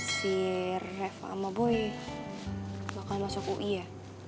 si reva sama boy bakal masuk ui ya